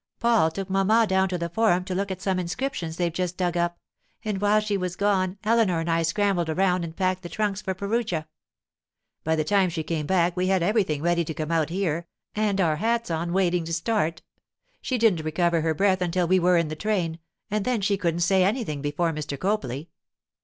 'Paul took mamma down to the Forum to look at some inscriptions they've just dug up; and while she was gone Eleanor and I scrambled around and packed the trunks for Perugia. By the time she came back we had everything ready to come out here, and our hats on waiting to start. She didn't recover her breath until we were in the train, and then she couldn't say anything before Mr. Copley.